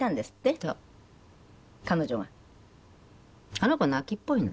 あの子泣きっぽいの。